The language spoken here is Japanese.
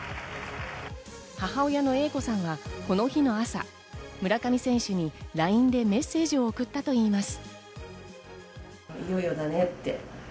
母親の英子さんはこの日の朝、村上選手にＬＩＮＥでメッセージを送ったといいます。